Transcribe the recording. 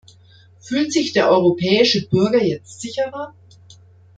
Fühlt sich der europäische Bürger jetzt sicherer?